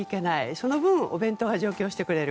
その分お弁当が上京してくれる。